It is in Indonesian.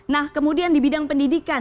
nah kemudian di bidang pendidikan